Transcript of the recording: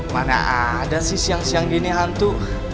mana ada sih siang siang gini hantu